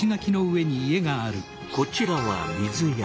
こちらは「水屋」。